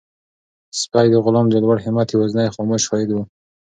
سپی د غلام د لوړ همت یوازینی خاموش شاهد و.